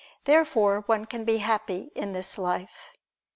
Therefore one can be happy in this life.